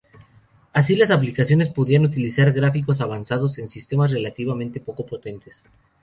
Así, las aplicaciones podían utilizar gráficos avanzados en sistemas relativamente poco potentes.